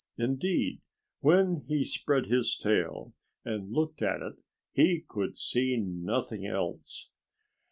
Indeed, when he spread his tail and looked at it he could see nothing else.